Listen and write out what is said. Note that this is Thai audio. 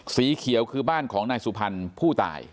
สีเขียวคือบ้านของนายสุพรรณผู้ตาย